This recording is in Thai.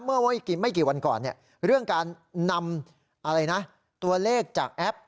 เมื่อไม่กี่วันก่อนเรื่องการนำตัวเลขจากแอป